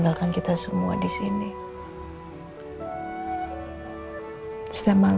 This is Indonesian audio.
sedang itu kak k entered